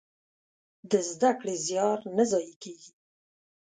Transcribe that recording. د زده کړې زيار نه ضايع کېږي.